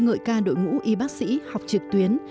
ngợi ca đội ngũ y bác sĩ học trực tuyến